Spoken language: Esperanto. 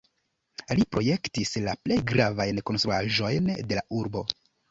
Li projektis la plej gravajn konstruaĵojn de la urbo.